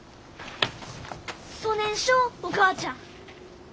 そねんしょおお母ちゃん。